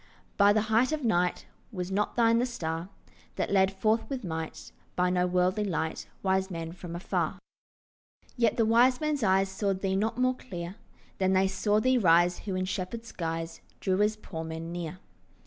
From the height of night, Was not thine the star That led forth with might By no worldly light Wise men from afar? Yet the wise men's eyes Saw thee not more clear Than they saw thee rise Who in shepherd's guise Drew as poor men near.